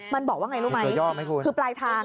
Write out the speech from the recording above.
มันบอกว่าไงรู้ไหมคุณคือปลายทาง